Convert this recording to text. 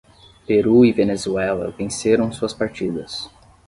Peru e Venezuela venceram suas partidas.